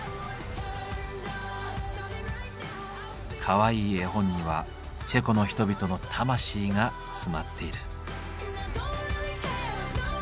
かわいい絵本にはチェコの人々の魂が詰まっている。